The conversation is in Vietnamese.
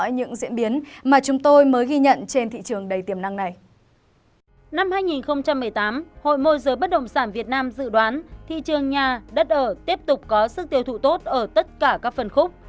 năm hai nghìn một mươi tám hội môi giới bất động sản việt nam dự đoán thị trường nhà đất ở tiếp tục có sức tiêu thụ tốt ở tất cả các phân khúc